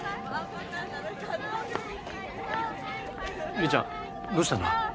ゆりちゃんどうしたの？